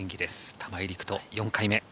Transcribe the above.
玉井陸斗、４回目。